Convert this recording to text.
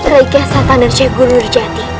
rai kian santang dan syekh guru rijati